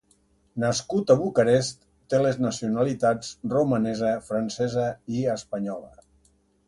Nascut a Bucarest, té les nacionalitats romanesa, francesa, i espanyola.